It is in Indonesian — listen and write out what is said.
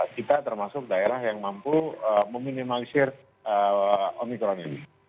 kita termasuk daerah yang mampu meminimalisir omikron ini